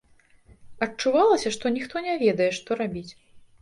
Адчувалася, што ніхто не ведае, што рабіць.